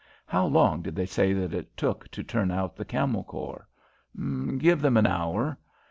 How long did they say that it took to turn out the Camel Corps?" "Give them an hour."